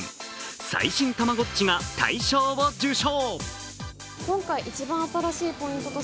最新たまごっちが大賞を受賞。